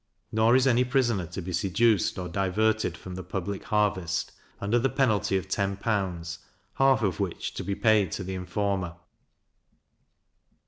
Nor is any prisoner to be seduced or diverted from the public harvest, under the penalty of ten pounds, half of which to be paid to the informer.